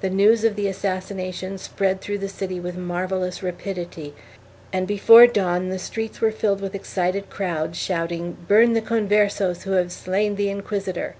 The news of the assassination spread through the city with marvellous rapidity and before dawn the streets were filled with excited crowds shouting "Burn the Converses who have slain the inquisitor!"